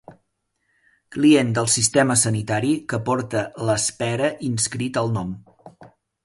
Client del sistema sanitari que porta l'espera inscrita al nom.